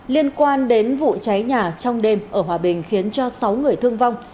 liên quan đến vụ cháy nhà trong đêm ở hòa bình khiến cho sáu người thương vong